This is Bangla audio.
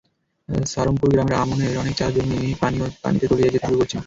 সারমপুর গ্রামের আমনের অনেক চারা জমিও পানিতে তলিয়ে যেতে শুরু করেছে।